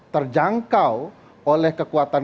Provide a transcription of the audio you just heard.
terjangkau oleh kekuatan